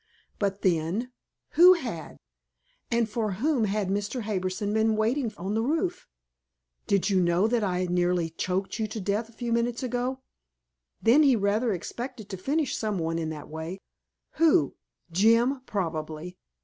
But then who had? And for whom had Mr. Harbison been waiting on the roof? "Did you know that I nearly choked you to death a few minutes ago?" Then he rather expected to finish somebody in that way! Who? Jim, probably.